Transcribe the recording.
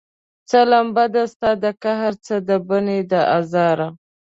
څه لمبه ده ستا د قهر، څه د بني د ازاره